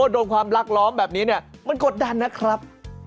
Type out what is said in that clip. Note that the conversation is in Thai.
โดนความรักล้อมแบบนี้เนี่ยมันกดดันนะครับ